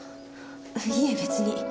いえ別に。